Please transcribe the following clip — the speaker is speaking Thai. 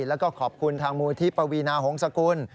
แล้วก็ขอบคุณทางมูลที่ปวีนาหงษกุล